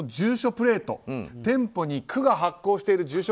プレート店舗に区が発行している住所